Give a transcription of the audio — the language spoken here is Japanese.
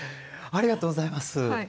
ありがとうございます。